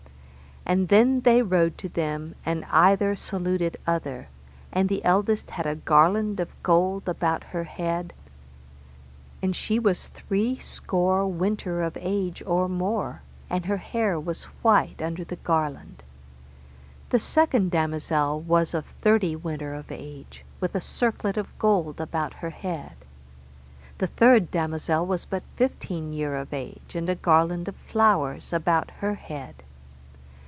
And then they rode to them, and either saluted other, and the eldest had a garland of gold about her head, and she was three score winter of age or more, and her hair was white under the garland. The second damosel was of thirty winter of age, with a circlet of gold about her head. The third damosel was but fifteen year of age, and a garland of flowers about her head.